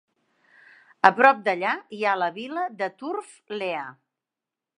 A prop d'allà hi ha la vila de Turf Lea.